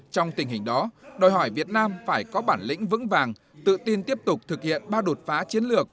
trong tình hình đó đòi hỏi việt nam phải có bản lĩnh vững vàng tự tin tiếp tục thực hiện ba đột phá chiến lược